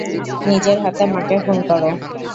নিজের হাতে মাকে খুন কর।